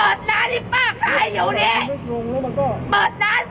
อาจจะได้บรรยายเกียรติที่นี่คนกระทบของป้าถือตรงนี้